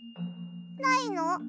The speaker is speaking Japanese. ないの？